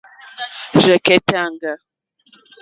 Rzɛ̀kɛ́táŋɡâ.